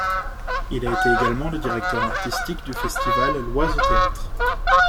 Il a été également le directeur artistique du festival L’Oise au théâtre.